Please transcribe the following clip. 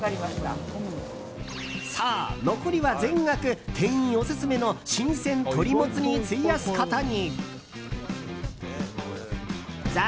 そう、残りは全額店員オススメの新鮮鶏もつに費やすことに！